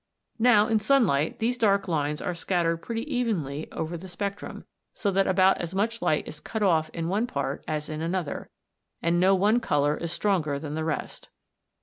Now in sunlight these dark lines are scattered pretty evenly over the spectrum, so that about as much light is cut off in one part as in another, and no one colour is stronger than the rest.